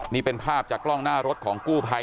นี่เป็นภาพจากกล้องหน้ารถของกู้ภัย